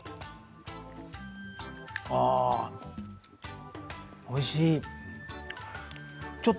ああおいしい！